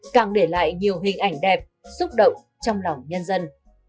càng để lại nhiều hình ảnh đẹp xúc động trong lòng nhân dân